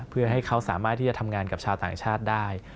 เพื่อให้เขาสามารถที่จะทำงานกับชาวต่างชาติได้